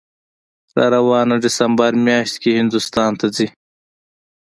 راروانه دسامبر میاشت کې هندوستان ته ځي